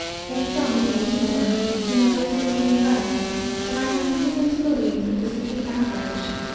In some it may be more; in others it may be less. But I have reason to believe that this is the average.